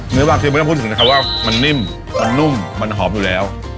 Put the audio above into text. บางคือไม่ต้องพูดถึงนะครับว่ามันนิ่มมันนุ่มมันหอมอยู่แล้ว